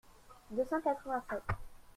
deux cent quatre-vingt-sept.